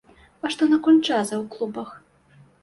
А што наконт джаза ў клубах?